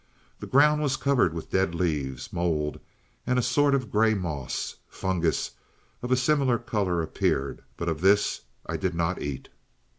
The ground was covered with dead leaves, mould, and a sort of gray moss. Fungus of a similar color appeared, but of this I did not eat.